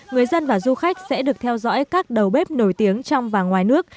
người dân và du khách sẽ được theo dõi các đầu bếp nổi tiếng trong và ngoài nước